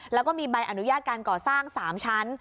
แล้วก็มีใบอนุญาตการก่อสร้าง๓ชั้น